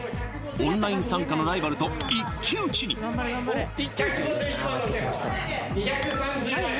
オンライン参加のライバルと一騎打ちに２３０万円